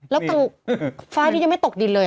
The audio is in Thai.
แล้วก็ตั้งไฟล์นี้ยังไม่ตกดินเลย